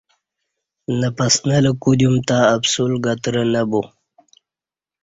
نہ پسنلہ کدیوم تں اپسول گترہ نہ بو